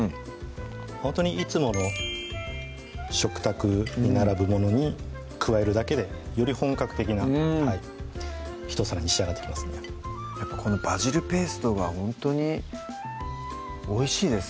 ほんとにいつもの食卓に並ぶものに加えるだけでより本格的なひと皿に仕上がってきますのでやっぱこのバジルペーストはほんとにおいしいですね